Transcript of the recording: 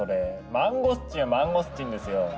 マンゴスチンはマンゴスチンですよ！